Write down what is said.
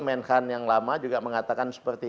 menhan yang lama juga mengatakan seperti